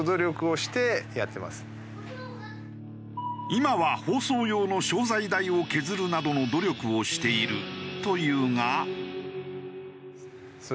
今は包装用の商材代を削るなどの努力をしているというが。